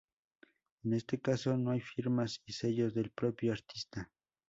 En este caso, no hay firmas y sellos del propio artista.